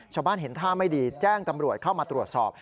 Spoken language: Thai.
ชาวบ้านเห็นท่าไม่ดีแจ้งตำรวจเข้ามาตรวจสอบ